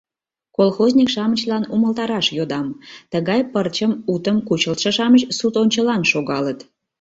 Колхозник-шамычлан умылтараш йодам: тыгай пырчым утым кучылтшо-шамыч суд ончылан шогалыт».